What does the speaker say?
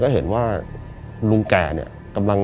ก็เห็นว่าลุงแกกำลัง